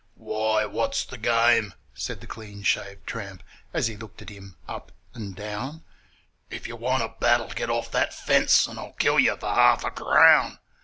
'Why, what's the game?' said the clean shaved tramp, as he looked at him up and down 'If you want a battle, get off that fence, and I'll kill you for half a crown!